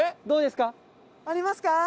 どうですか？